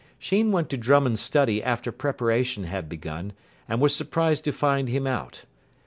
Sheen went to Drummond's study after preparation had begun, and was surprised to find him out.